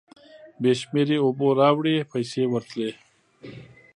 بې شمېرې اوبو راوړې پیسې ورتلې.